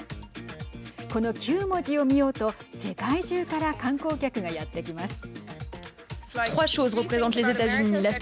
この９文字を見ようと世界中から観光客がやって来ます。